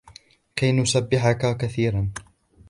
كَيْ نُسَبِّحَكَ كَثِيرًا